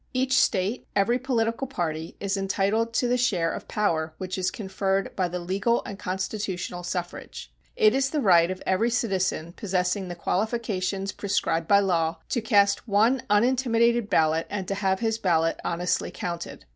Each State, every political party, is entitled to the share of power which is conferred by the legal and constitutional suffrage. It is the right of every citizen possessing the qualifications prescribed by law to east one unintimidated ballot and to have his ballot honestly counted.